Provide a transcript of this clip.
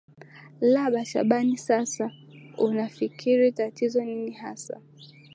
laba shabani sasa unafikiria tatizo nini hasa